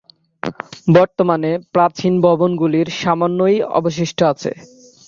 বর্তমানে প্রাচীন ভবনগুলির সামান্যই অবশিষ্ট আছে।